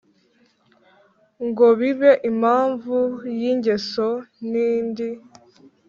ngo bibe impamvu y ' ingeso ntindi